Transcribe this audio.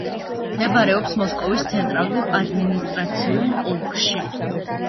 მდებარეობს მოსკოვის ცენტრალურ ადმინისტრაციული ოლქში.